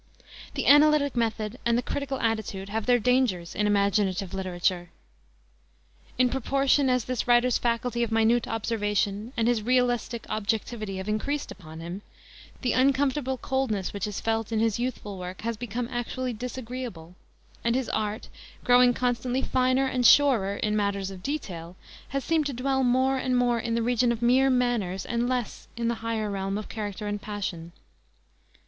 The analytic method and the critical attitude have their dangers in imaginative literature. In proportion as this writer's faculty of minute observation and his realistic objectivity have increased upon him, the uncomfortable coldness which is felt in his youthful work has become actually disagreeable, and his art growing constantly finer and surer in matters of detail has seemed to dwell more and more in the region of mere manners and less in the higher realm of character and passion.